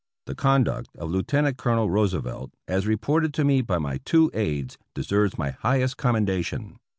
The conduct of Lieu tenant Colonel Roosevelt, as reported to me by my two aides, deserves my highest commendation.